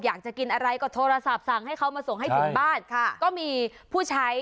อยากจะกินอะไรก็โทรศัพท์สั่งให้เขามาส่งให้ถึงบ้านค่ะก็มีผู้ใช้